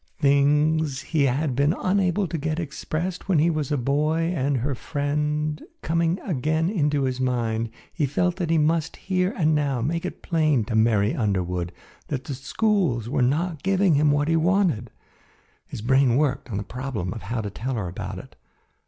Things he had been unable to get expressed when he was a boy and her friend, coming again into his mind, he felt that he must here and now make it plain to Mary Underwood that the schools were not giving him what he wanted. His brain worked on the problem of how to tell her about it.